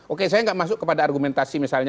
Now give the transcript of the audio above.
oke saya nggak masuk kepada argumentasi misalnya